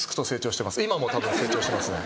今もたぶん成長してますね。